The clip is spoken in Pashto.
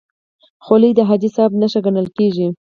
خولۍ د حاجي صاحب نښه ګڼل کېږي.